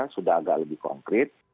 sudah agak lebih konkret